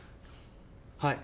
はい。